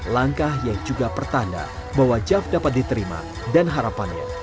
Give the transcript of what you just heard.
langkah yang juga pertanda bahwa jav dapat diterima dan harapannya